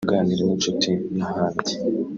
uganira n’incuti n’ahandi